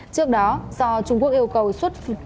trước đó do trung quốc yêu cầu xuất